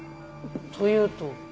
というと？